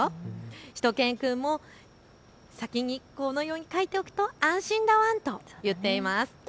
しゅと犬くんも先にこのように書いておくと安心だワンと言っています。